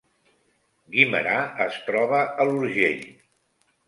Guimerà es troba a l’Urgell